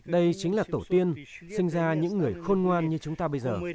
đây chính là tổ tiên sinh ra những người khôn ngoan như chúng ta bây giờ